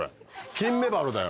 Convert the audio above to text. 金メバルだよ。